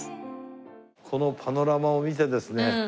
このパノラマを見てですね